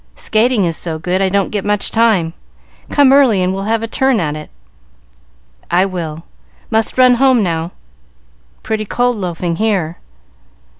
"Skating is so good, I don't get much time. Come early, and we'll have a turn at it." "I will. Must run home now." "Pretty cold loafing here."